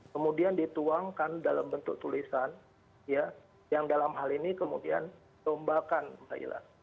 kemudian dituangkan dalam bentuk tulisan yang dalam hal ini kemudian tombakan mbak ila